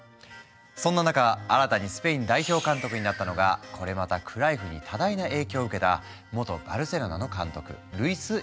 そんな中新たにスペイン代表監督になったのがこれまたクライフに多大な影響を受けた元バルセロナの監督